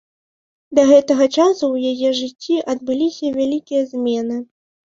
Да гэтага часу ў яе жыцці адбыліся вялікія змены.